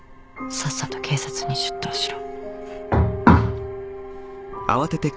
さっさと警察に出頭しろ」